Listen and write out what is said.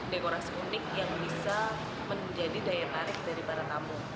dekorasi unik yang bisa menjadi daya tarik dari para tamu